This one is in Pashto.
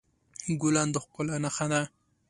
ګل د ښکلا نښه ده.